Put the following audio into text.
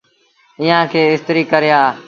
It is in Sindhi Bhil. ايٚئآن کي استريٚ ڪري آ۔